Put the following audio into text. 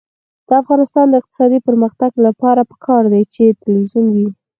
د افغانستان د اقتصادي پرمختګ لپاره پکار ده چې تلویزیون وي.